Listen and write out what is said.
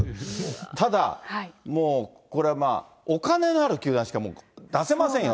ただ、これはまあ、お金のある球団しか出せませんよと。